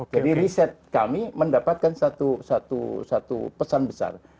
jadi riset kami mendapatkan satu pesan besar